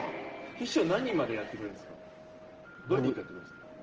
秘書、何までやってくれるんですか？